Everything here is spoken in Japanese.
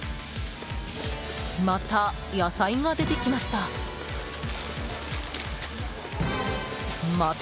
また、野菜が出てきました。